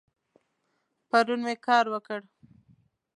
پرون می کار وکړ